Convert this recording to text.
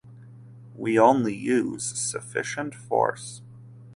We only use sufficient force.